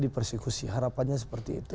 di persekusi harapannya seperti itu